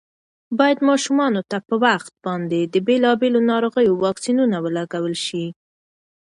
باید ماشومانو ته په وخت باندې د بېلابېلو ناروغیو واکسینونه ولګول شي.